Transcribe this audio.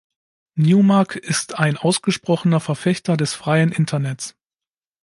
Newmark ist ein ausgesprochener Verfechter des freien Internets.